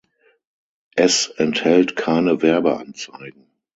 Es enthält keine Werbeanzeigen.